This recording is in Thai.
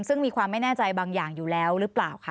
ซึ่งมีความไม่แน่ใจบางอย่างอยู่แล้วหรือเปล่าค่ะ